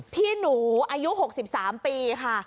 พี่หนูอายุ๖๓ปีค่ะ